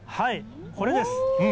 これです。